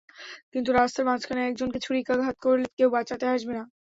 কিন্তু রাস্তার মাঝখানে একজনকে ছুরিকাঘাত করলে, কেউ বাঁচাতে আসবে ন।